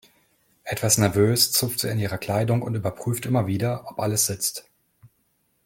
Etwas nervös zupft sie an ihrer Kleidung und überprüft immer wieder, ob alles sitzt.